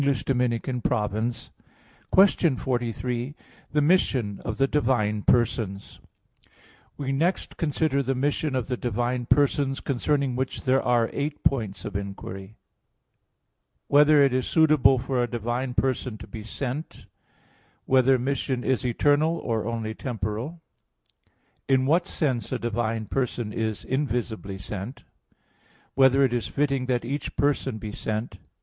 _______________________ QUESTION 43 THE MISSION OF THE DIVINE PERSONS (In Eight Articles) We next consider the mission of the divine persons, concerning which there are eight points of inquiry: (1) Whether it is suitable for a divine person to be sent? (2) Whether mission is eternal, or only temporal? (3) In what sense a divine person is invisibly sent? (4) Whether it is fitting that each person be sent?